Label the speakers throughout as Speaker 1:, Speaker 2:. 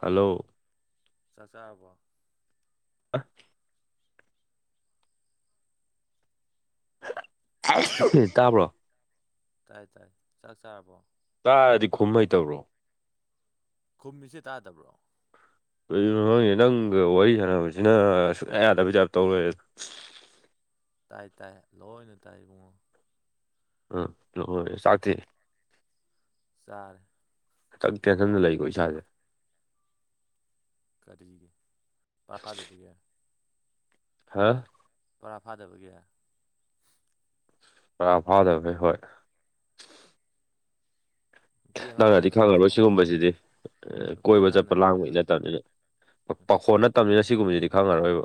Speaker 1: hello
Speaker 2: ꯆꯥꯛ ꯆꯥꯔꯕꯣ
Speaker 1: ꯑ ꯇꯥꯕ꯭ꯔꯣ
Speaker 2: ꯇꯥꯏ ꯇꯥꯏ ꯆꯥꯛ ꯆꯥꯔꯕꯣ
Speaker 1: ꯇꯥꯔꯗꯤ ꯈꯨꯝ ꯍꯩꯇꯕ꯭ꯔꯣ
Speaker 2: ꯈꯨꯝꯃꯤꯁꯦ ꯇꯥꯗꯕ꯭ꯔꯣ
Speaker 1: ꯀꯩꯒꯤꯅꯣꯍꯦ ꯅꯪꯒ ꯋꯥꯔꯤ ꯁꯥꯟꯅꯕꯁꯤꯅ ꯁꯨꯛꯌꯥ ꯌꯥꯗꯕꯩ ꯇꯥꯏꯞ ꯇꯧꯂꯩꯔꯦ
Speaker 2: ꯇꯥꯏ ꯇꯥꯏ ꯂꯣꯏꯅ ꯇꯥꯏ ꯏꯕꯨꯡꯉꯣ
Speaker 1: ꯑ ꯂꯣꯏꯔꯦ ꯆꯥꯛꯇꯤ
Speaker 2: ꯆꯥꯔꯦ
Speaker 1: ꯈꯤꯇꯛꯇꯤ ꯑꯗꯨꯝꯅ ꯂꯩꯀꯣ ꯏꯁꯥꯖꯦ
Speaker 2: ꯀꯔꯤꯒꯤ ꯄꯥꯔꯥ ꯐꯥꯗꯕꯒꯤ
Speaker 1: ꯍꯥꯥ
Speaker 2: ꯕꯣꯔꯥ ꯐꯥꯗꯕꯒꯤ
Speaker 1: ꯄꯨꯔꯥ ꯐꯥꯗꯕꯩ ꯍꯣꯏ
Speaker 2: ꯅꯨꯄꯤ
Speaker 1: ꯅꯪꯅꯗꯤ
Speaker 2: ꯑꯉꯥꯡꯅꯒ
Speaker 1: ꯈꯪꯉꯔꯣꯏ
Speaker 2: ꯂꯪꯊꯣꯛꯑꯝꯃꯣ
Speaker 1: ꯁꯤꯒꯨꯝꯕꯁꯤꯗꯤ
Speaker 2: ꯅꯨꯄꯤ
Speaker 1: ꯀꯣꯏꯕ ꯆꯠꯄ
Speaker 2: ꯑꯉꯥꯡꯅꯒꯗꯤ ꯂꯪꯊꯣꯛꯑꯝꯣ ꯑꯁꯁ
Speaker 1: ꯇꯝꯅꯤꯅ ꯁꯤꯒꯨꯝꯕꯁꯤꯗꯤ ꯈꯪꯉꯔꯣꯏꯕ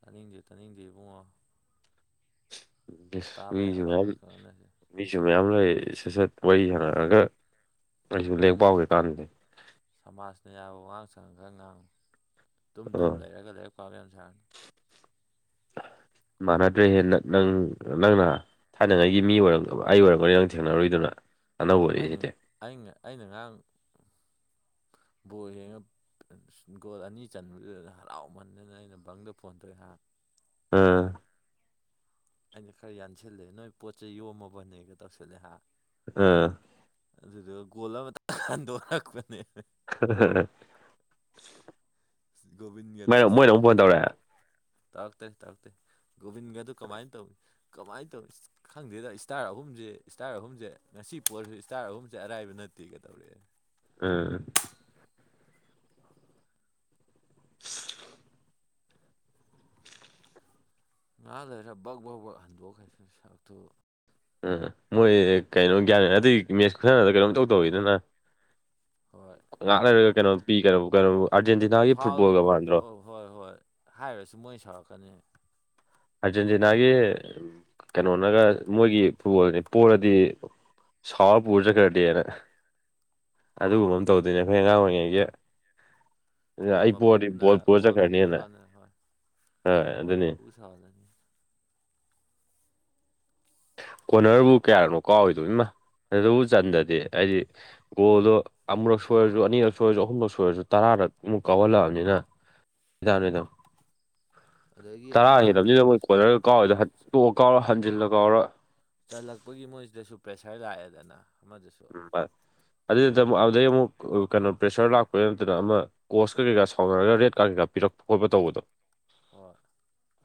Speaker 2: ꯇꯥꯅꯤꯡꯗꯦ ꯇꯥꯅꯤꯡꯗꯦ ꯏꯕꯨꯡꯉꯣ
Speaker 1: ꯁ
Speaker 2: ꯇꯥꯕ
Speaker 1: ꯃꯤꯖ
Speaker 2: ꯌꯥꯕ ꯈꯔ ꯈꯪꯍꯟꯅꯁꯦ
Speaker 1: ꯃꯤꯁꯨ ꯃꯌꯥꯝ ꯂꯩ ꯁꯠ ꯁꯠ ꯋꯥꯔꯤ ꯍꯪꯉꯛꯑꯒ ꯑꯩꯁꯨ ꯂꯦꯡ ꯄꯥꯎꯒꯦ ꯀꯥꯟꯗꯗꯤ
Speaker 2: ꯁꯃꯥꯖꯅ ꯌꯥꯕ ꯋꯥꯉꯥꯡ ꯁꯪꯉ ꯈꯔ ꯉꯥꯡ ꯇꯨꯝ ꯇꯨꯝ
Speaker 1: ꯑꯥ
Speaker 2: ꯂꯩꯔꯒ ꯂꯥꯏꯔꯤꯛ ꯄꯥꯕ ꯁꯥꯔꯅꯤ
Speaker 1: ꯃꯥꯟꯅꯗ꯭ꯔꯦ ꯍꯦꯟꯅ ꯅꯪ ꯅꯪꯅ ꯊꯥꯏꯅꯉꯥꯏꯒꯤ ꯃꯤ ꯑꯣꯏꯔꯝ ꯑꯩ ꯑꯣꯏꯔꯝꯒꯅꯤ ꯅꯪ ꯊꯦꯡꯅꯔꯨꯏꯗꯨꯅ ꯑꯅꯧꯕꯅꯤ
Speaker 2: ꯑꯩꯅ
Speaker 1: ꯁꯤꯗꯤ
Speaker 2: ꯑꯩꯅ ꯑꯩꯅ ꯉꯔꯥꯡ ꯕꯣꯔ ꯍꯦꯡꯉ ꯒꯣꯜ ꯑꯅꯤ ꯆꯟꯕꯗꯨꯗ ꯍꯔꯥꯎꯃꯟꯗꯅ ꯑꯩꯅ ꯕꯪꯗ ꯐꯣꯟ ꯇꯧꯏꯦꯍꯥꯛ
Speaker 1: ꯑꯥ
Speaker 2: ꯑꯩꯅ ꯈꯔ ꯌꯥꯟꯁꯤꯜꯂꯦ ꯅꯣꯏ ꯄꯣꯠꯁꯦ ꯌꯣꯝꯃꯕꯅꯦꯒ ꯇꯧꯁꯜꯂꯦ ꯍꯥꯏ
Speaker 1: ꯑꯥ
Speaker 2: ꯑꯗꯨꯗ ꯒꯣꯜ ꯑꯃꯇ ꯍꯟꯗꯣꯛꯔꯛꯄꯅꯦ
Speaker 1: ꯑ
Speaker 2: ꯣꯕꯤꯤꯟ ꯌꯥꯗ
Speaker 1: ꯇꯧꯔꯛꯑꯦ
Speaker 2: ꯇꯥꯛꯥꯛꯇ ꯇꯥꯛꯥꯛꯇ ꯣꯕꯤꯟꯒꯗꯨ ꯀꯃꯥꯏꯅ ꯇꯧꯋꯤ ꯀꯃꯥꯏꯅ ꯇꯧꯋ ꯈꯪꯗꯦꯗ ꯏꯁꯇꯥꯔ ꯑꯍꯨꯝꯁꯦ ꯏꯁꯇꯥꯔ ꯑꯍꯨꯝꯁꯦ ꯉꯁꯤ ꯄꯣꯠꯁꯨ ꯏꯁꯇꯥꯔ ꯑꯍꯨꯝꯁꯦ ꯑꯔꯥꯏꯕ ꯅꯠꯇꯦ ꯀꯩꯗꯧꯔꯛꯑꯦ
Speaker 1: ꯑꯥ
Speaker 2: ꯉꯥ ꯂꯩꯔ ꯕꯛ ꯕꯧ ꯕꯛ ꯍꯟꯗꯣꯛꯈ꯭ꯔꯁꯨ ꯁꯛꯇꯨ
Speaker 1: ꯎꯝ ꯃꯣꯏ ꯀꯩꯅꯣ ꯒ꯭ꯌꯥꯟꯅꯦ ꯑꯗꯨꯗꯤ ꯃꯦꯠꯁ ꯈꯨꯠꯁꯅꯗ ꯀꯩꯅꯣꯝꯇꯧ ꯇꯧꯋꯤꯗꯅ
Speaker 2: ꯍꯣꯏ
Speaker 1: ꯉꯥꯛꯅꯔꯒ
Speaker 2: ꯐꯥꯒꯤ
Speaker 1: ꯀꯩꯅꯣ ꯄꯤ ꯀꯩꯅ ꯀꯩꯅꯕꯨ ꯑꯥꯔꯖꯦꯟꯇꯤꯅꯥꯒꯤ
Speaker 2: ꯐꯥꯎꯜ
Speaker 1: ꯐꯨꯠꯕꯣꯜꯒ ꯃꯥꯟꯗ꯭ꯔꯣ
Speaker 2: ꯍꯣꯏ ꯍꯣꯏ ꯍꯥꯏꯔꯁꯨ ꯃꯣꯏ ꯁꯥꯎꯔꯛꯀꯅꯤ
Speaker 1: ꯑꯥꯔꯖꯦꯟꯇꯤꯅꯥꯒꯤ ꯀꯩꯅꯣꯅꯒ ꯃꯣꯏꯒꯤ ꯐꯨꯠꯕꯣꯜꯅꯤ ꯄꯣꯂꯗꯤ ꯁꯥꯎ ꯄꯖ ꯀꯗꯦꯅ ꯑꯗꯨꯒꯨꯝꯕ ꯑꯃ ꯇꯧꯗꯣꯏꯅꯦ ꯑꯩꯈꯣꯏ ꯑꯉꯥꯡ ꯑꯣꯏꯔꯤꯉꯩꯁ
Speaker 2: ꯕꯣꯜ ꯃ ꯄꯨꯨꯕꯅꯦ
Speaker 1: ꯄꯨꯔ
Speaker 2: ꯕꯣꯜ ꯃ ꯄꯨꯨ
Speaker 1: ꯆꯠꯈ꯭ꯔꯅꯤꯅ
Speaker 2: ꯁꯥꯅꯤ ꯍꯣꯏ
Speaker 1: ꯍꯣꯏ
Speaker 2: ꯕꯣꯜ
Speaker 1: ꯑꯗꯨꯅꯤ
Speaker 2: ꯃ ꯄꯨꯨ ꯁꯥꯅꯤ
Speaker 1: ꯀ ꯀꯣꯔꯅꯔꯕꯨ ꯀꯌꯥꯅꯣ ꯀꯥꯎꯏꯗꯣꯏꯃ ꯑꯗꯨꯕꯨ ꯆꯟꯗꯗꯤ ꯑꯩꯗꯤ ꯒꯣꯜꯗꯣ ꯑꯃꯛꯨꯔꯛ ꯁꯣꯏꯔꯁꯨ ꯑꯅꯤꯔꯛ ꯁꯣꯏꯔꯁꯨ ꯑꯍꯨꯝꯂꯛ ꯁꯣꯏꯔꯁꯨ ꯇꯔꯥꯗ ꯑꯃꯨꯛ ꯀꯥꯎꯍꯜꯂꯛꯑꯕꯅꯤꯅ ꯗꯥ ꯅꯨꯗꯥꯝ
Speaker 2: ꯑꯗꯒꯤ
Speaker 1: ꯇꯔꯥ
Speaker 2: ꯑꯃ
Speaker 1: ꯍꯦꯜꯕꯅꯤꯗ ꯃꯣꯏ ꯀꯣꯟꯠꯅꯔꯒ ꯀꯥꯎꯋꯦꯗ ꯇꯣꯛꯑ ꯀꯥꯎꯔ ꯍꯟꯖꯤꯜꯂ ꯀꯥꯎꯔ
Speaker 2: ꯆꯜꯂꯛꯄꯒꯤ ꯃꯣꯏꯁꯤꯗꯁꯨ ꯄ꯭ꯔꯦꯁꯔ ꯂꯥꯛꯑꯦꯗꯅ ꯑꯃꯗꯁꯨ
Speaker 1: ꯑꯗꯨ ꯅ ꯑꯗꯨꯗꯩ ꯑꯃꯨꯛ ꯀꯩꯅꯣ ꯄ꯭ꯔꯦꯁꯔ ꯂꯥꯛꯄ ꯅꯠꯇꯅ ꯑꯃ ꯀꯣꯁ ꯀꯩꯥ ꯁꯥꯎꯅꯔꯒ ꯔꯦ ꯀꯥꯔꯟ ꯀꯩꯥ ꯄꯤꯔꯛꯄ ꯈꯣꯠꯄ ꯇꯧꯕꯗꯣ
Speaker 2: ꯍ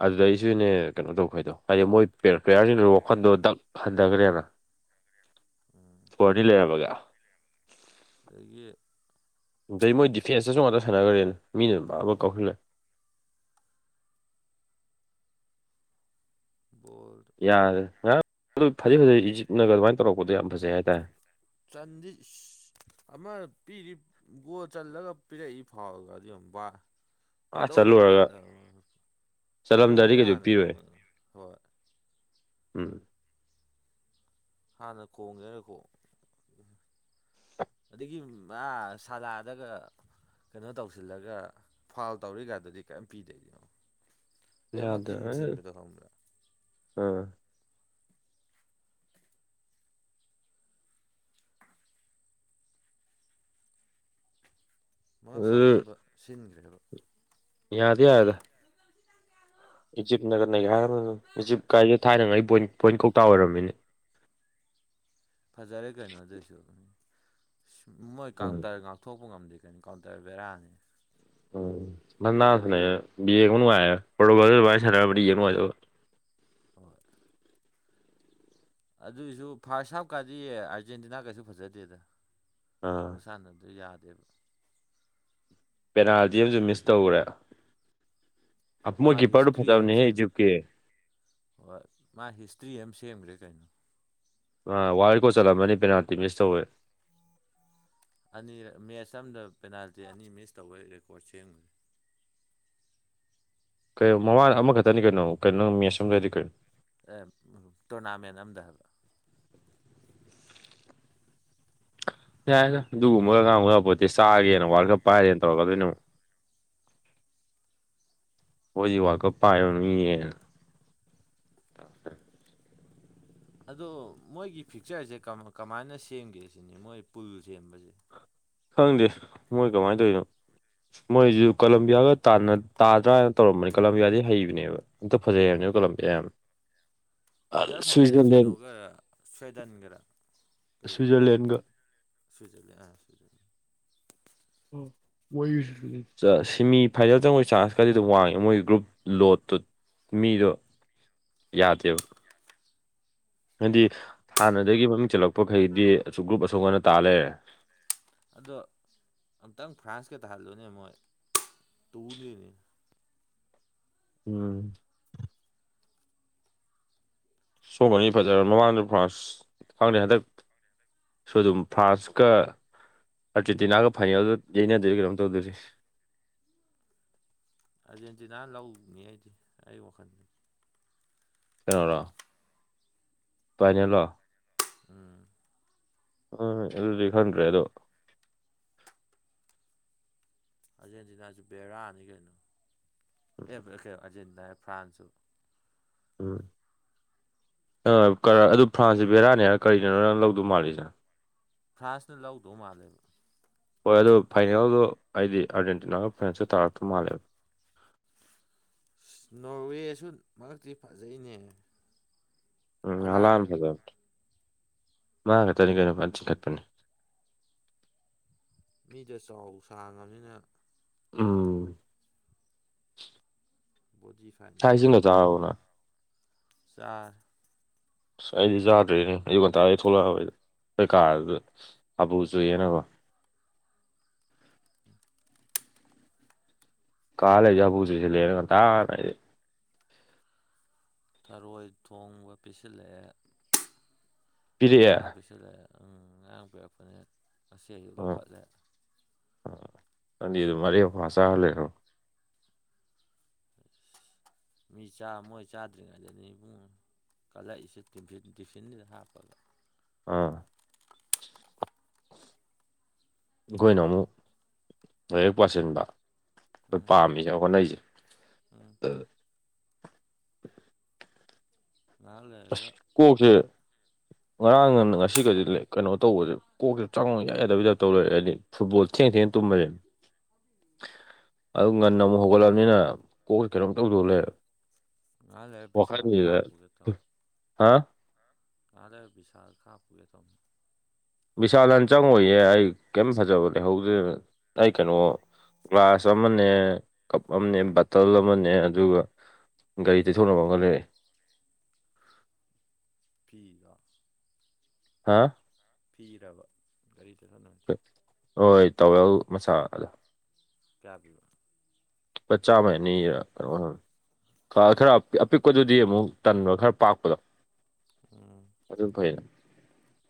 Speaker 1: ꯑꯗꯨꯗ ꯑꯩꯁꯨꯅꯦ ꯀꯩꯅꯣ ꯇꯧꯈꯗꯣ ꯍꯥꯏꯗꯤ ꯃꯣꯏ ꯄ꯭ꯂꯦꯌꯥꯔꯁꯤ ꯋꯥꯈꯜꯗꯣ ꯗꯛ ꯍꯟꯊꯈꯅꯦꯦꯅ
Speaker 2: ꯎꯝ
Speaker 1: ꯣꯔꯅꯤ ꯂꯩꯔꯕꯒꯦ
Speaker 2: ꯑꯗꯒꯤ
Speaker 1: ꯑꯩ ꯃꯣꯏ ꯗꯤꯐꯦꯟꯁꯇꯁꯨ ꯉꯥꯛꯇ ꯁꯥꯟꯅꯈ꯭ꯔꯦꯅ ꯃꯤꯅ ꯑꯃ ꯀꯥꯎꯧꯁꯤꯜꯂꯦ
Speaker 2: ꯕꯣꯔꯠ
Speaker 1: ꯌꯥꯔꯦ ꯉꯔꯥꯡ ꯐꯗꯤꯩ ꯐꯖꯩ ꯏꯖꯤꯞꯅꯒ ꯑꯗꯨꯃꯥꯏꯅ ꯇꯧꯔꯛꯄꯗꯣ ꯌꯥꯝ ꯐꯖꯩ ꯍꯥꯏꯇꯥꯔꯦ
Speaker 2: ꯆꯥꯟꯗꯤ ꯑꯃ ꯄꯤꯔꯤꯕ ꯒꯣ ꯆꯜꯂꯒ ꯄꯤꯔꯛꯏ ꯐꯥꯎꯔꯒ ꯑꯗꯨ ꯑꯃꯕꯥ
Speaker 1: ꯑꯥ
Speaker 2: ꯈꯣꯏꯗꯧ ꯂ
Speaker 1: ꯆꯠꯂꯨꯔꯒ
Speaker 2: ꯈꯠꯂꯦ
Speaker 1: ꯆꯠꯂꯝꯗꯥꯏꯗꯤ
Speaker 2: ꯍꯣꯡꯒꯦ
Speaker 1: ꯀꯩꯁꯨ
Speaker 2: ꯍꯥꯟꯅ
Speaker 1: ꯄꯤꯔꯣꯏ
Speaker 2: ꯈꯣꯡꯉꯅꯤ ꯍꯣꯏ
Speaker 1: ꯎꯝ
Speaker 2: ꯍꯥꯟꯅ ꯈꯣꯡꯒꯦꯔꯀꯣ ꯑꯗꯒꯤ ꯑꯥ ꯁꯥꯂꯥꯗꯒ ꯀꯩꯅꯣ ꯇꯧꯁꯤꯜꯂꯒ ꯐꯥꯎꯜ ꯇꯧꯔꯤꯒꯗꯨꯗꯤ ꯀꯩꯝ ꯄꯤꯗꯦ ꯑꯗꯩ ꯑꯃ
Speaker 1: ꯌꯥꯗ
Speaker 2: ꯀꯤꯟ ꯊꯤꯟꯕꯗꯣ ꯈꯪꯕ꯭ꯔꯥ
Speaker 1: ꯑꯥ
Speaker 2: ꯃꯥ
Speaker 1: ꯑꯗꯨ
Speaker 2: ꯆꯥꯎꯅꯕ ꯁꯤꯟꯈ꯭ꯔꯦꯕ
Speaker 1: ꯌꯥꯗꯤ ꯌꯥꯔꯦꯗ ꯏꯖꯤꯞꯅꯒ ꯅꯩꯒꯥꯏꯔꯝꯃꯤꯕꯅꯤ ꯏꯖꯤꯞ ꯀꯥꯏꯖꯦ ꯊꯥꯏꯅꯉꯥꯏꯒꯤ ꯄꯣꯏꯟ ꯀꯧꯇꯥ ꯑꯣꯏꯔꯝꯃꯤꯅꯤ
Speaker 2: ꯐꯖꯔꯦ ꯀꯩꯅꯣ ꯑꯗꯨꯏꯁꯨ ꯃꯣꯏ
Speaker 1: ꯎꯝ
Speaker 2: ꯀꯥꯟꯎꯇꯔ ꯊꯣꯛꯄ ꯉꯝꯗꯦ ꯀꯩꯅꯣ ꯀꯥꯎꯟꯇꯔ ꯕꯦꯔꯥꯅꯤ
Speaker 1: ꯎꯝ [unintelligible] ꯌꯦꯡ ꯅꯨꯡꯉꯥꯏꯗꯧꯕ
Speaker 2: ꯍꯣꯏ ꯑꯗꯨꯏꯁꯨ ꯐꯥꯔꯁ ꯍꯥꯞꯀꯥꯗꯤ ꯑꯥꯔꯖꯦꯟꯇꯤꯅꯥ ꯀꯩꯁꯨ ꯐꯖꯗꯦꯗ
Speaker 1: ꯑꯥ
Speaker 2: ꯈꯨꯠꯁꯥꯟꯅꯗꯨ ꯌꯥꯗꯦꯕ
Speaker 1: ꯄꯦꯅꯥꯜꯇꯤ ꯑꯃꯁꯨ ꯃꯤꯁ ꯇꯧꯈ꯭ꯔꯦ ꯃꯣꯏ
Speaker 2: ꯃꯥ
Speaker 1: ꯀꯤꯞꯄꯔꯗꯨ
Speaker 2: ꯍꯤꯁꯇ꯭ꯔꯤ ꯑꯃ
Speaker 1: ꯐꯖꯕꯅꯦꯍꯦ
Speaker 2: ꯁꯦꯝ
Speaker 1: ꯏꯖꯤꯞꯀꯤ
Speaker 2: ꯍꯣꯏ ꯃꯥ ꯍꯤꯁꯇ꯭ꯔꯤ ꯑꯃ ꯁꯦꯝꯒ꯭ꯔꯦ ꯀꯩꯅꯣ
Speaker 1: ꯃꯥ ꯋꯥꯔꯜ ꯔꯦꯀꯣꯠ ꯆꯠꯂꯝꯃꯅꯤ ꯄꯦꯅꯥꯜꯇꯤ ꯃꯤꯁ ꯇꯧꯕꯩ
Speaker 2: ꯑꯅꯤꯔꯛ ꯃꯦꯠꯆ ꯑꯝꯗ ꯄꯦꯅꯥꯜꯇꯤ ꯑꯅꯤ ꯃꯤꯁ ꯇꯧꯕ ꯔꯦꯀꯣꯔꯠ ꯁꯦꯝꯒ꯭ꯔꯦ
Speaker 1: ꯀꯩꯅꯣ ꯃꯃꯥꯡ ꯑꯃꯈꯛꯇꯅꯤ ꯀꯩꯅꯣ ꯀꯩꯅꯣ ꯃꯦꯁ ꯑꯃꯗꯗꯤ ꯀꯩꯅꯣ
Speaker 2: ꯇꯣꯔꯅꯥꯃꯦꯟ ꯑꯝꯗ ꯍꯥꯏꯕ
Speaker 1: ꯌꯥꯏ ꯑꯗꯨꯒꯨꯝꯕꯒ ꯑꯥꯡꯕ ꯄꯣꯠꯇꯤ ꯆꯥꯒꯦꯅ ꯋꯥꯔꯜ ꯀꯞ ꯄꯥꯏꯔꯦꯅ ꯇꯧꯔꯀꯗꯣꯏꯅꯦꯕꯣ ꯍꯣꯏ ꯍꯧꯖꯤꯛ ꯋꯥꯀ ꯄꯥꯏꯕ ꯅꯃꯤ ꯌꯦꯡꯉꯦ ꯑ
Speaker 2: ꯑꯗꯣ ꯃꯣꯏꯒꯤ ꯐꯤꯛꯆꯔꯁꯦ ꯀꯃꯥꯏꯅ ꯁꯦꯝꯒꯦ ꯁꯤꯅꯤ ꯃꯣꯏ ꯄꯨꯜ ꯁꯦꯝꯕꯁꯦ
Speaker 1: ꯈꯪꯗꯦ ꯃꯣꯏ ꯀꯃꯥꯏꯅ ꯇꯧꯔꯤꯅꯣ ꯃꯣꯏꯁꯨ ꯀꯣꯂꯝꯕꯤꯌꯥꯒ ꯇꯥꯗ꯭ꯔꯥꯅ ꯇꯧꯔꯝꯕꯅꯦ ꯀꯣꯂꯝꯕꯤꯌꯥꯗꯤ ꯍꯩꯕꯅꯦꯕ ꯑꯝꯇ ꯐꯖꯩ ꯌꯥꯝꯅꯤ ꯀꯜꯂꯝ ꯌꯥꯝ
Speaker 2: ꯀ꯭ꯋꯥꯇꯔ ꯐꯥꯏꯅꯦꯜꯁꯨ
Speaker 1: ꯁ꯭ꯋꯤꯖꯔꯂꯦꯟ
Speaker 2: ꯀꯩꯅꯣꯒ ꯁ꯭ꯋꯏꯗꯟꯒꯔꯥ ꯀꯩꯒꯤ
Speaker 1: ꯁ꯭ꯋꯤꯖꯔꯂꯦꯟꯒ
Speaker 2: ꯁ꯭ꯋꯏꯖꯔꯂꯦꯟ ꯑ ꯁ꯭ꯋꯖꯔꯂ
Speaker 1: ꯑꯣ ꯑꯣꯏꯣꯏꯁꯤ ꯁꯦꯃꯤ ꯐꯥꯏꯅꯦꯜ ꯆꯪꯕꯒꯤ ꯆꯥꯟꯁ ꯈꯔꯗꯤ ꯑꯗꯨꯝ ꯋꯥꯡꯉꯦ ꯃꯣꯏ ꯒ꯭ꯔꯨꯞ ꯂꯣꯠꯇꯨ ꯃꯤꯗꯣ ꯌꯥꯗꯦꯕ ꯍꯥꯏꯗꯤ ꯍꯥꯟꯅꯗꯒꯤ ꯃꯃꯤꯡ ꯆꯠꯂꯛꯄꯈꯩꯗꯤ ꯑꯁꯨꯛ ꯒ꯭ꯔꯨꯞ ꯑꯁꯣꯛ ꯑꯅ ꯇꯥ ꯂꯩꯔꯦ
Speaker 2: ꯑꯗꯣ ꯑꯝꯇꯪ ꯐ꯭ꯔꯥꯟꯁꯀ ꯇꯥꯍꯜꯂꯣꯅꯦ ꯃꯣꯏ ꯇꯨꯅꯤꯅꯤ
Speaker 1: ꯎꯝ ꯁꯣꯕꯅꯤ ꯐꯖꯔ ꯃꯃꯥꯡꯗ ꯐ꯭ꯔꯥꯟꯁ ꯈꯪꯗ꯭ꯔꯦ ꯍꯟꯗꯛ ꯁꯣ ꯑꯗꯨꯝ ꯐ꯭ꯔꯥꯟꯁꯀ ꯑꯥꯔꯖꯦꯟꯇꯤꯅꯥꯒ ꯐꯥꯏꯅꯦꯜꯗ ꯌꯩꯅꯗꯔꯤ ꯀꯩꯅꯣꯝ ꯇꯧꯗꯣꯔꯤꯁ
Speaker 2: ꯑꯥꯔꯖꯦꯟꯇꯤꯅꯥꯅ ꯂꯧꯅꯤ ꯑꯩꯗꯤ ꯑꯩ ꯋꯥꯈꯜꯗꯗꯤ
Speaker 1: ꯀꯅꯣꯔꯥ ꯇꯥꯏꯅꯦꯂꯣ
Speaker 2: ꯎꯝ
Speaker 1: ꯍꯣꯏꯣꯏ ꯑꯗꯨꯗꯤ ꯈꯪꯗ꯭ꯔꯦ ꯑꯗꯣ
Speaker 2: ꯑꯥꯔꯖꯦꯟꯇꯤꯅꯥꯁꯨ ꯕꯦꯔꯥꯅꯤ ꯀꯩꯅꯣ ꯑꯦ ꯑꯥꯔꯖꯦꯟꯇꯤꯅꯥ ꯑꯦ ꯐ꯭ꯔꯥꯟꯁꯁꯨ
Speaker 1: ꯎꯝ ꯑꯗꯨ ꯐ꯭ꯔꯥꯟꯁꯁꯦ ꯕꯦꯔꯥꯅꯦꯔ ꯀꯔꯤꯅꯣ ꯅꯪ ꯂꯧꯗꯧ ꯃꯥꯜꯂꯤꯁꯦ
Speaker 2: ꯐ꯭ꯔꯥꯟꯁꯅ ꯂꯧꯗꯧ ꯃꯥꯜꯂꯦꯕ
Speaker 1: ꯍꯣꯏ ꯑꯗꯨ ꯐꯥꯏꯅꯦꯜꯗꯣ ꯍꯥꯏꯗꯤ ꯑꯥꯔꯖꯦꯟꯇꯤꯅꯥꯒ ꯐ꯭ꯔꯦꯟꯁꯇ ꯇꯥꯔꯛꯇ ꯃꯥꯜꯂꯦꯕ
Speaker 2: ꯅꯣꯔꯋꯦꯁꯨ ꯃꯔꯛꯇꯤ ꯐꯖꯩꯅꯦ
Speaker 1: ꯎꯝ ꯑꯂꯥꯝ
Speaker 2: ꯍꯂꯥꯟꯒꯗꯣ
Speaker 1: ꯐꯗ ꯃꯥꯉ ꯊꯅꯤ ꯀ ꯃꯇ ꯀꯠꯄꯅꯤꯤ
Speaker 2: ꯃꯤꯗ ꯆꯥꯎ ꯁꯥꯡꯉꯕꯅꯤꯅ
Speaker 1: ꯎ
Speaker 2: ꯕꯣꯗꯤ ꯐꯥꯅꯤꯒꯥꯟꯗꯦꯈꯅ
Speaker 1: ꯅꯪ
Speaker 2: ꯆ
Speaker 1: ꯑꯁ ꯑꯩꯗꯤ ꯆꯥꯗ꯭ꯔꯦꯅꯦ ꯑꯌꯨ ꯉꯟꯇꯥ ꯑꯩ ꯊꯣꯛꯂꯛꯑꯕꯩꯗ ꯀꯩꯀꯥꯗ ꯍꯥꯄꯨ ꯆꯨꯌꯦꯦꯅꯕ
Speaker 2: [unintelligible]
Speaker 1: ꯀꯂꯦꯖꯥ ꯄꯨꯖꯁꯤꯜꯂꯦꯅ ꯀ ꯇꯥꯔꯦ
Speaker 2: ꯊꯔꯣꯏ ꯊꯣꯡꯕ ꯄꯤꯁꯤꯜꯂꯛꯑꯦ
Speaker 1: ꯄꯤꯔꯛꯑꯦ
Speaker 2: ꯃꯔꯥꯡ ꯄꯤꯁꯤꯦ ꯁꯤꯂꯦ ꯎ ꯉꯔꯥꯡ ꯄꯤꯔꯛꯄꯅꯦ ꯉꯁꯤ ꯑꯩꯌꯛ ꯂꯧꯈꯠꯂꯦ
Speaker 1: ꯑꯗꯤ ꯑꯗꯨꯝ ꯃꯔꯦꯐ ꯆꯥꯍ ꯂꯩꯔꯣ
Speaker 2: ꯃꯤ ꯃꯣꯏ ꯆꯥꯗ꯭ꯔꯤꯉꯩꯗꯅꯤ ꯏꯕꯨꯡ ꯀꯜꯂꯛꯏꯁꯦ ꯇꯤꯟ ꯇꯤꯐꯤꯟꯅꯤꯗ ꯍꯥꯞꯄꯒ
Speaker 1: ꯑꯥ ꯑꯩꯈꯣꯏꯅ ꯑꯃꯨꯛ ꯂꯥꯏꯔꯤꯛ ꯄꯥꯁꯤꯟꯕ ꯑꯩꯈꯣꯏ
Speaker 2: ꯎꯝ
Speaker 1: ꯄꯥꯝꯃꯤꯁꯦ ꯍꯣꯠꯅꯩꯁꯦ
Speaker 2: ꯎꯝ
Speaker 1: ꯎ
Speaker 2: ꯉꯥꯏꯍꯥꯛ
Speaker 1: ꯑꯁ
Speaker 2: ꯂꯩꯔꯒ
Speaker 1: ꯀꯣꯛꯁꯦ ꯉꯔꯥꯡ ꯉ ꯉꯁꯤꯒꯗꯤ ꯀꯩꯅꯣ ꯇꯧꯕꯁꯦ ꯀꯣꯛꯇ ꯆꯥꯡꯉ ꯌꯥꯗꯕ ꯌꯥꯗ ꯇꯧ ꯂꯩꯔꯦꯗꯤ ꯐꯨꯠꯕꯣꯜ ꯊꯦꯡ ꯊꯦꯡꯅ ꯇꯨꯝꯕꯁꯦꯅ
Speaker 2: [unintelligible]
Speaker 1: ꯑꯗꯨ ꯉꯟꯅ ꯑꯃꯨꯛ ꯍꯧꯒꯠꯂꯕꯅꯤꯅ ꯀꯣꯛꯁꯤꯦ ꯀꯩꯅꯣꯝ ꯇꯧꯗꯣꯛꯂꯦ
Speaker 2: ꯉꯥ ꯂꯩꯔꯦ ꯕꯤꯁꯥꯜ ꯀꯥꯞꯄꯨꯒ ꯇꯧꯅꯤ
Speaker 1: ꯍꯥꯥ
Speaker 2: ꯑꯥꯗ ꯕꯤꯚꯤꯁꯥꯜ ꯀꯥꯞꯄꯨꯒꯦ ꯇꯧꯃꯣ
Speaker 1: ꯕꯤꯁꯥꯂꯥꯟ ꯆꯪꯉꯣꯏꯌꯦ ꯑꯩ ꯀꯩꯝ ꯐꯖꯕ ꯂꯩꯍꯧꯗ꯭ꯔꯦ ꯑꯩ ꯀꯩꯅꯣ ꯒ꯭ꯂꯥꯁ ꯑꯃꯅꯦ ꯀꯞ ꯑꯃꯅꯦ ꯕꯇꯜ ꯑꯃꯅꯦ ꯑꯗꯨꯒ ꯒꯥꯔꯤ ꯇꯩꯊꯣꯛꯅꯕ ꯑꯃ ꯉꯒ ꯂꯩꯔꯦ
Speaker 2: ꯐꯤ
Speaker 1: ꯍꯥꯥ
Speaker 2: ꯊꯤꯔꯕ ꯒꯥꯔꯤ ꯆꯠ ꯁꯥꯟꯅꯔꯅꯤ
Speaker 1: ꯍꯣꯏ ꯇꯧꯋꯦꯜ ꯃꯆꯥ ꯑꯗꯣ
Speaker 2: ꯀꯌꯥꯕꯤꯕ
Speaker 1: ꯄ ꯆꯥ ꯑꯃꯅꯤ ꯀꯩꯅꯣ ꯈ ꯈꯔ ꯑꯄꯤꯛꯄꯗꯨꯗꯤ ꯑꯃꯨꯛ ꯇꯟꯕ ꯈꯔ ꯄꯥꯛꯄꯗꯣ
Speaker 2: ꯎꯝ
Speaker 1: ꯑꯗꯨꯝ ꯐꯣꯏꯔ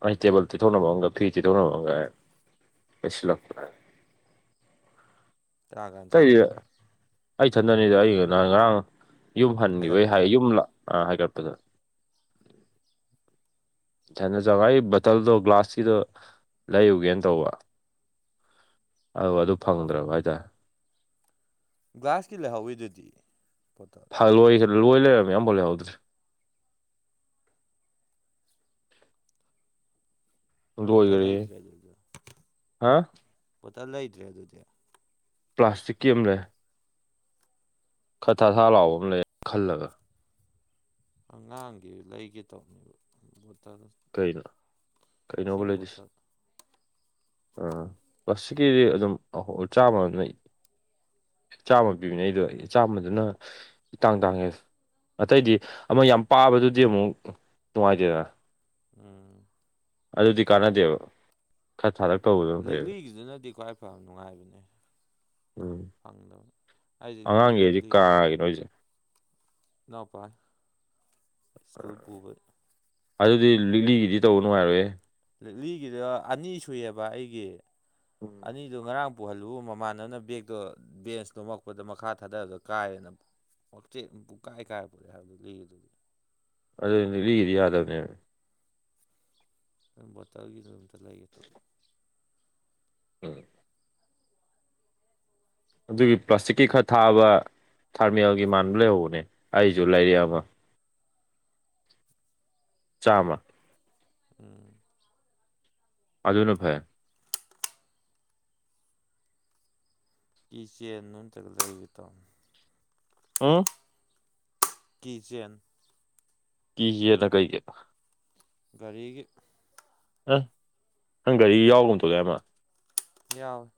Speaker 1: ꯑꯩ ꯇꯦꯕꯜ ꯇꯤꯊꯣꯛꯅꯕ ꯑꯃꯒ ꯐꯤ ꯇꯤꯊꯣꯛꯅꯕ ꯑꯃꯒ ꯂꯣꯏꯁꯤꯜꯂꯛꯄ
Speaker 2: ꯀꯌꯥ ꯀꯥꯟ
Speaker 1: ꯑꯇꯩ
Speaker 2: ꯆꯠꯂꯤ
Speaker 1: ꯑꯩ ꯊꯗꯅꯤꯗ ꯑꯩ ꯅ ꯉꯔꯥꯡ ꯌꯨꯝ ꯍꯟꯈꯤꯕꯩ ꯍꯥꯏ
Speaker 2: ꯍꯥꯏꯒꯠꯄꯗ
Speaker 1: ꯌꯨꯝ ꯍꯥꯏꯒꯞꯇꯒ ꯅ ꯖꯒꯥ ꯑꯩ ꯕꯇꯜꯗꯣ ꯒ꯭ꯂꯥꯁꯀꯤꯗꯣ ꯂꯩꯌꯨꯒꯦꯅ ꯇꯧꯕ ꯑ ꯑꯗꯨ ꯐꯪꯗ꯭ꯔꯕ ꯍꯥꯏꯇꯥꯔꯦ
Speaker 2: ꯒ꯭ꯂꯥꯁꯀꯤ ꯂꯩꯍꯧꯋꯤꯗꯨꯗꯤ ꯄꯣꯠꯇꯣ
Speaker 1: ꯂꯣꯏꯈ꯭ꯔꯦ ꯂꯣꯏ ꯂꯩꯔꯝꯃꯦ ꯃꯌꯥꯝꯣ ꯂꯩꯍꯧꯗ꯭ꯔꯦ
Speaker 2: ꯃꯠꯇ
Speaker 1: ꯂꯣꯏꯈꯔꯦ
Speaker 2: ꯂꯩꯗ꯭ꯔꯦ ꯑꯗꯨꯗꯤ
Speaker 1: ꯍꯥ
Speaker 2: ꯃꯠꯇ ꯂꯩ ꯂꯩꯗ꯭ꯔꯦ ꯑꯗꯨꯗꯤ
Speaker 1: ꯄ꯭ꯂꯥꯁꯇꯤꯛꯀꯤ ꯑꯃꯂꯦ ꯈꯔ ꯊ ꯊꯥ ꯂꯥꯎꯕ ꯑꯃ ꯂꯩ ꯈꯜꯂꯒ
Speaker 2: ꯑꯉꯥꯡꯒꯤ ꯂꯩꯒꯦ ꯇꯧꯕꯅꯦꯕ ꯣꯠꯇꯔ
Speaker 1: ꯀꯩꯅꯣ ꯀꯩꯅꯣꯕ ꯂꯩꯔꯤꯁ ꯑꯥ ꯀ꯭ꯂ꯭ꯂꯥꯁꯁꯤꯤꯛꯀꯤꯗꯤ ꯑꯗꯨꯝ ꯑ ꯆꯥꯝꯃ ꯑꯗꯨꯝꯅ ꯆꯥꯝꯃ ꯄꯤꯕꯅꯦ ꯑꯩꯗꯣ ꯆꯥꯝꯃꯗꯨꯅ ꯇꯥꯡ ꯇꯥꯡꯉꯦ ꯑꯇꯩꯗꯤ ꯑꯃ ꯌꯥꯝ ꯄꯥꯕꯗꯨꯗꯤ ꯑꯃꯨꯛ ꯅꯨꯡꯉꯥꯏꯇꯦꯗ
Speaker 2: ꯎꯝ
Speaker 1: ꯑꯗꯨꯗꯤ ꯀꯥꯟꯅꯗꯦꯕ ꯈꯠ ꯊꯥꯔꯛꯄꯧ
Speaker 2: ꯂꯤꯛꯂꯤꯒꯤꯗꯨꯅꯗꯤ ꯈ꯭ꯋꯥꯏ ꯐ ꯅꯨꯡꯉꯥꯏꯕꯅꯦ
Speaker 1: ꯎꯝ
Speaker 2: ꯐꯪꯗꯕꯅꯤ ꯑꯩꯗꯤ ꯂꯤ ꯂꯤꯒ
Speaker 1: ꯣꯏꯁꯦ
Speaker 2: ꯅꯥꯎꯄꯥꯄꯥ ꯁ꯭ꯀꯨꯜ ꯄꯨꯕꯣꯏ
Speaker 1: ꯑꯗꯨꯗꯤ ꯂꯤꯛꯂꯤꯒꯤꯗꯤ ꯇꯧꯕ ꯅꯨꯡꯉꯥꯏꯔꯣꯏꯦ
Speaker 2: ꯛꯂꯤꯒꯤꯗ ꯑꯅꯤ ꯁꯨꯏꯑꯕ ꯑꯩꯒꯤ
Speaker 1: ꯎꯝ
Speaker 2: ꯑꯅꯤꯗꯣ ꯉꯔꯥꯡ ꯄꯨꯍꯜꯂꯨꯕ ꯃꯃꯥꯟꯅꯕꯅ ꯕꯦꯛꯇꯣ ꯕꯦꯟꯁ ꯅꯣꯃꯛꯄꯗ ꯃꯈꯥ ꯊꯥꯗꯔꯒ ꯀꯥꯏꯔꯦꯅ ꯄꯇꯦꯠ ꯑꯃ ꯄꯨꯡ ꯀꯥꯏ ꯀꯥꯏꯕꯔꯦ ꯍꯥꯏꯕꯗꯨꯗꯤ ꯂꯤꯗꯨꯗꯤ
Speaker 1: ꯑꯗꯨꯗꯤ ꯂꯤꯗꯤ ꯌꯥꯗꯕꯅꯦꯕ
Speaker 2: ꯅ ꯠꯇꯒ ꯇ ꯂꯩꯒꯦ ꯇꯣ
Speaker 1: ꯎꯝ ꯑꯗꯨꯒꯤ ꯄ꯭ꯂꯥꯁꯇꯤꯛꯀꯤ ꯈꯔ ꯊꯥꯕ ꯊꯥꯔꯃꯦꯜꯒꯤ ꯃꯥꯟꯕ ꯂꯩꯍꯧꯕꯅꯦ ꯑꯩꯁꯨ ꯂꯩꯔꯛ ꯑꯃ ꯆꯥꯝꯃ
Speaker 2: ꯎꯝ
Speaker 1: ꯑꯗꯨꯅ ꯐ
Speaker 2: ꯏꯆꯦꯅ ꯇꯒꯗ꯭ꯔ ꯏꯠꯇ
Speaker 1: ꯎꯥ
Speaker 2: ꯀꯤꯆꯦꯟ
Speaker 1: ꯀ ꯍꯦ ꯂ ꯀꯏꯌꯦ
Speaker 2: ꯒꯥꯔꯤꯒꯤ
Speaker 1: ꯑ ꯅꯪ ꯒꯥꯔꯤ ꯌꯥꯎꯒꯨꯝ ꯊꯣꯛꯂꯦ ꯑꯃ
Speaker 2: ꯌꯥꯎ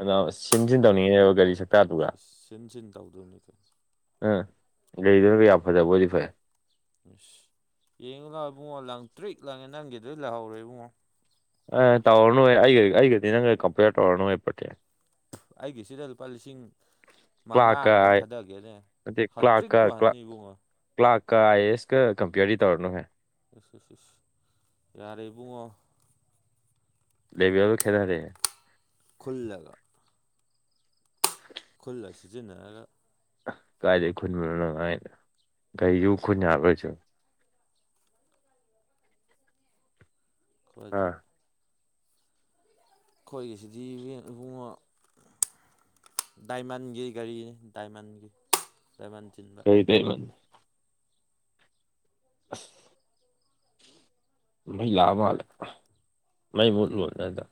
Speaker 1: ꯑꯗ ꯁꯤꯟ ꯁꯤꯟ ꯇꯧꯅꯤꯡꯉꯦꯅꯦꯕ ꯒꯥꯔꯤ ꯁ
Speaker 2: ꯁꯤꯟ ꯁꯤꯟ ꯇꯧꯗꯣꯏꯅꯤ ꯀ
Speaker 1: ꯎꯥ ꯂꯩꯗꯨꯅꯒ ꯌꯥꯝ ꯐꯖꯕꯕꯨꯗꯤ ꯐꯩꯦ
Speaker 2: ꯁ ꯌꯦꯡꯉꯨ ꯂꯥꯛꯑꯣ ꯏꯕꯨꯡꯉꯣ ꯂꯪ ꯇ꯭ꯔꯤꯛ ꯂꯪꯉꯦ ꯅꯪꯒꯤꯗ ꯂꯥꯛꯍꯧꯔꯦ ꯏꯕꯨꯡꯉꯣ
Speaker 1: ꯑꯦ ꯇꯧꯔꯅꯨ ꯑꯩꯒ ꯑꯩꯒꯗꯤ ꯅꯪꯒ ꯀꯝꯄꯦꯌꯔ ꯇꯧꯔꯅꯨꯣꯏ ꯄꯣꯠꯀꯦ
Speaker 2: ꯑꯩꯒꯤꯁꯤꯗ ꯂꯨꯄꯥ ꯂꯤꯁꯤꯡ ꯃꯉꯥ ꯈꯇꯪ
Speaker 1: ꯀ꯭ꯂꯥꯔꯛꯀ
Speaker 2: ꯊꯥꯗꯒꯦꯅꯦ ꯍꯟꯇ꯭ꯔꯤꯛꯄꯨꯍꯟꯅꯤ ꯏꯕꯨꯡꯉꯣ
Speaker 1: ꯀ꯭ꯂꯥꯛꯀ ꯑꯥꯏ ꯑꯦꯁꯀ ꯀꯝꯄ꯭ꯌꯔꯗꯤ ꯇꯧꯔꯅꯨꯍꯦ
Speaker 2: ꯑꯦꯁ ꯑꯦꯁ ꯑꯦꯁ ꯌꯥꯔꯦꯕꯨꯡꯉꯣ
Speaker 1: ꯂꯩꯕꯤꯕ ꯈꯦꯠꯅꯔꯦ
Speaker 2: ꯈꯜꯂꯒ ꯈꯨꯜꯂ ꯁꯤꯖꯤꯟꯅꯔꯒ
Speaker 1: ꯀꯥꯏꯗꯒꯤ ꯈꯨꯟꯕꯣꯅꯉꯥꯏꯅ ꯀꯩꯁꯨ ꯈꯨꯟ ꯌꯥꯕ꯭ꯔꯁꯨ
Speaker 2: ꯀꯣꯏꯖꯤ
Speaker 1: ꯑꯥ
Speaker 2: ꯑꯩꯈꯣꯏꯒꯤꯁꯤꯗꯤ ꯏꯕꯨꯡꯉꯣ ꯗꯥꯏꯃꯟꯒꯤ ꯒꯥꯔꯤꯅꯤ ꯗꯥꯏꯃꯟꯒꯤ ꯗꯥꯏꯃꯟ ꯇꯤꯟ
Speaker 1: ꯗ ꯑ ꯍꯩ ꯂꯥꯛꯑ ꯃꯥꯜꯂꯦ ꯃꯩ ꯃꯣꯠ ꯂꯣꯠꯅꯗ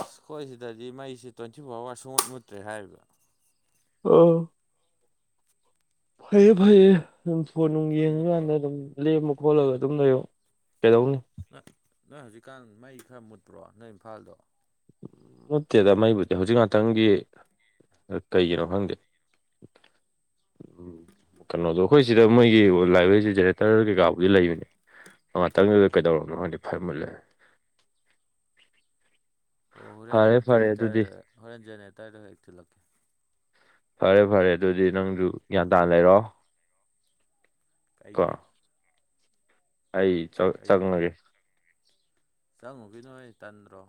Speaker 2: ꯑꯩꯈꯣꯏ ꯁꯤꯗꯗꯤ ꯃꯩꯁꯦ ꯇ꯭ꯋꯦꯟꯇꯤ ꯐꯣꯔ ꯑꯋꯥꯔ ꯁꯨꯠ ꯃꯨꯠꯇ꯭ꯔꯦ ꯍꯥꯏꯕ
Speaker 1: ꯑ ꯐꯩꯌꯦꯦ ꯐꯩꯌꯦ ꯑꯗꯨꯝ ꯐꯣꯟ ꯅꯨꯡ
Speaker 2: ꯅꯣꯏ ꯃꯨꯠꯄ꯭ꯔꯣ
Speaker 1: ꯌꯦꯡꯉꯀꯥꯟꯗ ꯑꯗꯨꯝ ꯂꯦꯝꯃ ꯈꯣꯠꯂꯒ ꯑꯗꯨꯝ ꯂꯩꯔꯣ ꯀꯩꯗꯧꯅꯤ
Speaker 2: ꯅꯣꯏ ꯅꯣꯏ ꯍꯧꯖꯤꯛꯀꯥꯟ ꯃꯩ ꯈꯔ ꯃꯨꯠꯄ꯭ꯔꯣ ꯅꯣꯏ ꯏꯝꯐꯥꯜꯗꯣ
Speaker 1: ꯅꯠꯇꯦꯗ ꯃꯩꯕꯨꯗꯤ ꯍꯧꯖꯤꯛ ꯉꯥꯛꯇꯪꯒꯤ ꯀꯩꯒꯤꯅꯣ ꯍꯪꯦ ꯎ ꯀꯩꯅꯣꯗꯣ ꯑꯩꯈꯣꯏ ꯁꯤꯗ ꯃꯣꯏꯒꯤ ꯂꯥꯏꯕ꯭ꯔꯦꯔꯤꯁꯦ ꯖꯦꯅꯦꯔꯦꯇꯔ ꯀꯩꯀꯥꯕꯨꯗꯤ ꯂꯩꯕꯅꯦ ꯉꯥꯛꯇꯪꯗꯨꯗ ꯀꯩꯗꯔꯕꯅꯣꯪꯥꯟꯗꯤ ꯐꯔ ꯃꯨꯠꯂꯦ
Speaker 2: ꯑꯣ ꯍꯣꯔꯦꯟ
Speaker 1: ꯐꯔꯦ ꯐꯔꯦ ꯑꯗꯨꯗꯤ
Speaker 2: ꯖꯦꯅꯦꯇꯔꯗ ꯍꯣꯔꯦꯟ ꯖꯦꯅꯦꯔꯦꯇꯔꯗ ꯍꯦꯛ ꯊꯤꯜꯂꯛꯀꯦ
Speaker 1: ꯐꯔꯦ ꯐꯔꯦ ꯑꯗꯨꯗꯤ ꯅꯪꯁꯨ ꯒ꯭ꯌꯥꯟ ꯇꯥꯅ ꯂꯩꯔꯣ ꯀꯣ
Speaker 2: ꯀꯥꯏꯒꯤꯦ
Speaker 1: ꯑꯩ ꯆꯪꯉꯒꯦ
Speaker 2: ꯆꯪꯉꯨꯒꯤ ꯅꯣꯏ ꯑꯩ ꯇꯟꯗ꯭ꯔꯣ